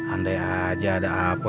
andai aja ada apa